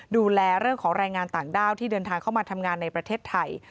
ดูแลเรื่องของแรงงานต่างด้าวที่เดินทางเข้ามาทำงานในประเทศไทย